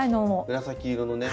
紫色のね。